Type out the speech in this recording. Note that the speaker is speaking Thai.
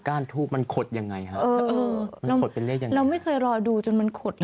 ้านทูบมันขดยังไงฮะเออมันขดเป็นเลขยังไงเราไม่เคยรอดูจนมันขดเลย